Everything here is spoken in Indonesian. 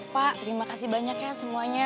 pak terima kasih banyak ya semuanya